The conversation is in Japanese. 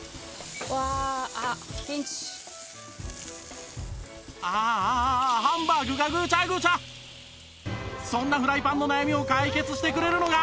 ああハンバーグがそんなフライパンの悩みを解決してくれるのが